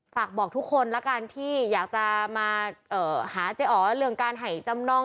ฝากบอกทุกคนละกันที่อยากจะมาหาเจ๊อ๋อเรื่องการให้จำนอง